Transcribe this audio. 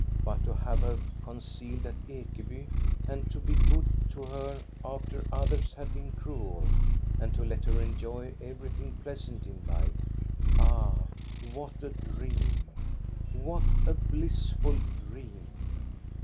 But to have her concealed at Ekeby and to be good to her after others had been cruel, and to let her. enjoy everything pleasant in life, ah, what a dream, what a blissful dream